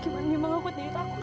gimana ya bang aku teringat